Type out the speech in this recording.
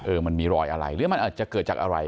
มันมีรอยอะไรหรือมันอาจจะเกิดจากอะไร